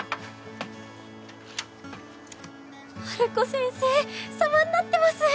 治子先生様になってます。